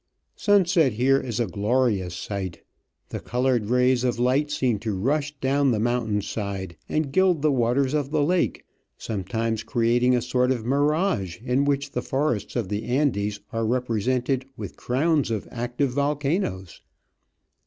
Sunset here is a glorious sight ; the coloured rays of light seem to rush down the ON LAKE SIMITI. mountain side and gild the waters of the lake, some times creating a sort of mirage in which the forests of the Andes are represented with crowns of active volcanoes.